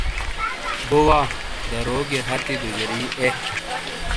بو وا درو گئیے ہتی دُوجاری اے۔